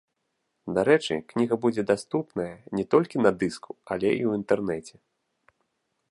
Дарэчы, кніга будзе даступная не толькі на дыску, але і ў інтэрнэце.